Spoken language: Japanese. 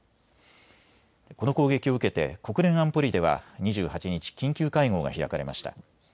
この攻撃を受けて国連安保理では２８日、緊急会合が開かれました。